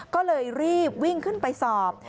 ก็เลยรีบวิ่งขึ้นไปสอบ